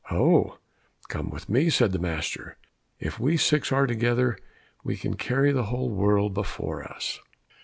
"Oh, come with me," said the master. "If we six are together, we can carry the whole world before us."